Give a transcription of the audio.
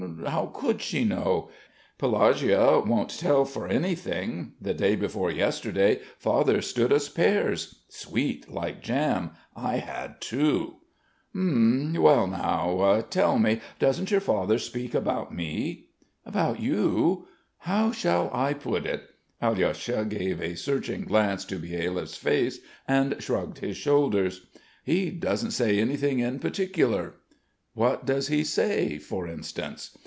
How could she know? Pelagueia won't tell for anything. The day before yesterday Father stood us pears. Sweet, like jam. I had two." "H'm ... well, now ... tell me, doesn't your father speak about me?" "About you? How shall I put it?" Alyosha gave a searching glance to Byelyaev's face and shrugged his shoulders. "He doesn't say anything in particular." "What does he say, for instance?"